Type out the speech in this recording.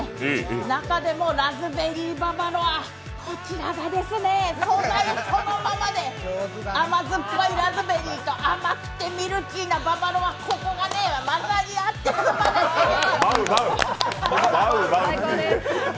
中でもラズベリーババロア、こちらがですね、素材そのままで甘酸っぱいラズベリーと甘いミルキーなババロア、ここが混ざり合ってすばらしい。